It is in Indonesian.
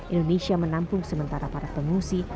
indonesia menampung sementara para pengungsi